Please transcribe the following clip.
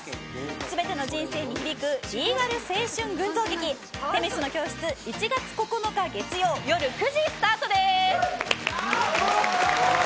全ての人生に響くリーガル青春群像劇女神の教室１月９日月曜夜９時スタートです。